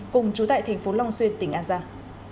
cùng chú tại tp long xuyên tỉnh an giang